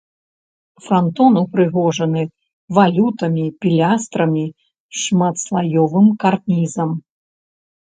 Франтон упрыгожаны валютамі, пілястрамі, шматслаёвым карнізам.